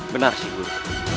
benar seh guru